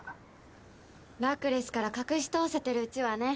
ラクレスから隠し通せてるうちはね。